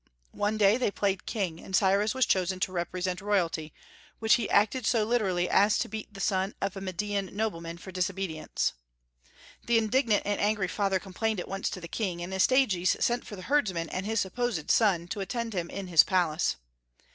One day they played king, and Cyrus was chosen to represent royalty, which he acted so literally as to beat the son of a Median nobleman for disobedience. The indignant and angry father complained at once to the king, and Astyages sent for the herdsman and his supposed son to attend him in his palace.